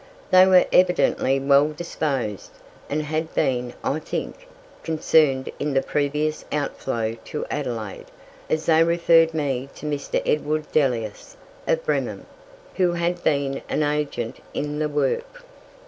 They were evidently well disposed, and had been, I think, concerned in the previous out flow to Adelaide, as they referred me to Mr. Edward Delius, of Bremen, who had been an agent in the work.